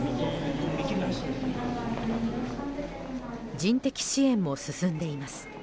人的支援も進んでいます。